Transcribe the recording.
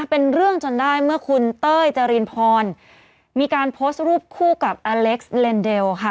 เป็นเรื่องจนได้เมื่อคุณเต้ยจรินพรมีการโพสต์รูปคู่กับอเล็กซ์เลนเดลค่ะ